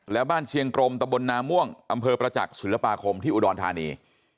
และบ้านเชียงกรมตะบลนาม่วงอำเภอประจักษ์ศิลปาคมที่อุดรธานี